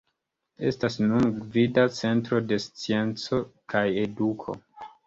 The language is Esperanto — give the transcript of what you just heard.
Estas nun gvida centro de scienco kaj eduko.